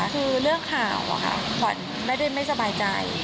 คือเรื่องข่าวขวัญไม่ได้ไม่สบายใจ